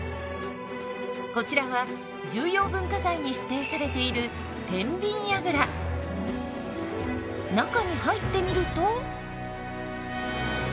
こちらは重要文化財に指定されている中に入ってみると。